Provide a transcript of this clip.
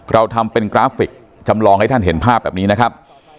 เราทำเป็นกราฟิกจำลองให้ท่านเห็นภาพแบบนี้นะครับ